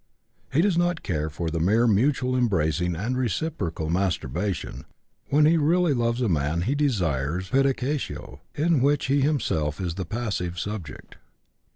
He does not care for mere mutual embracing and reciprocal masturbation; when he really loves a man he desires pedicatio in which he is himself the passive subject.